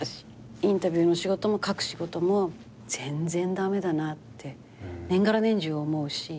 インタビューの仕事も書く仕事も全然駄目だなって年がら年中思うし。